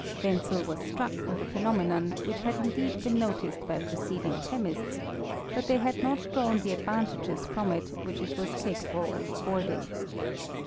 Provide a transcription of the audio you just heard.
Wenzel was struck with a phenomenon, which had indeed been noticed by preceding chemists ; but they had not drawn the advantages from it which it was ca pable of affording.